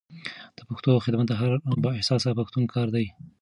د پښتو خدمت د هر با احساسه پښتون کار دی.